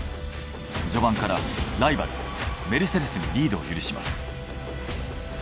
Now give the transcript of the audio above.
序盤からライバルメルセデスにリードを許します。